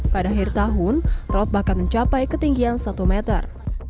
pada akhir tahun rop bahkan mencapai ketinggian satu meter